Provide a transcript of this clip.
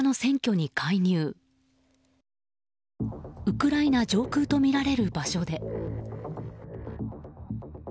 ウクライナ上空とみられる場所で。